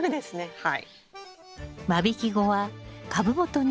はい。